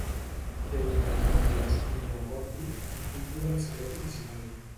Té un oratori d'estil neogòtic i cúpula al saló principal.